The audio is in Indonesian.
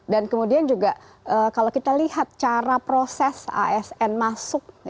kemudian juga kalau kita lihat cara proses asn masuk